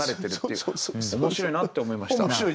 面白いなって思いました。